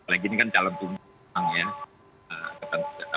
apalagi ini kan calon undang undang ya